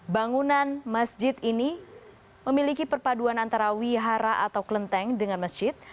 bangunan masjid ini memiliki perpaduan antara wihara atau kelenteng dengan masjid